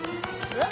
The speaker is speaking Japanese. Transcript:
えっ？